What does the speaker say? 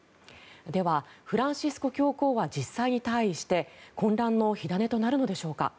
では、フランシスコ教皇は実際に退位して混乱の火種となるのでしょうか。